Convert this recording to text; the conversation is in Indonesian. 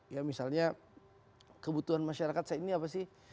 ya misalnya kebutuhan masyarakat saat ini apa sih